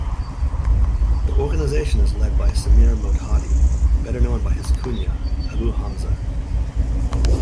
The organisation is led by Samir Mohtadi, better known by his kunya, Abu Hamza.